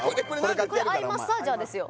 これアイマッサージャーですよ・